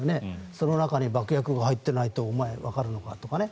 その中に爆薬が入ってないとお前、わかるのかとかね。